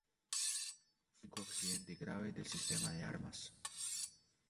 Fue el único accidente grave del sistema de armas.